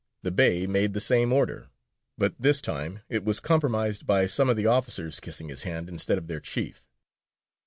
the Bey made the same order, but this time it was compromised by some of the officers kissing his hand instead of their chief.